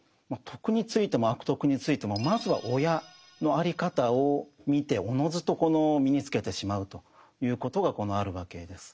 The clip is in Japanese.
「徳」についても「悪徳」についてもまずは親のあり方を見ておのずと身につけてしまうということがあるわけです。